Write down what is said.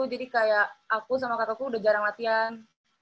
jadi kayak aku sama kakakku udah jarang latihan